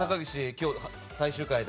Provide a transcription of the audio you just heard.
今日最終回で。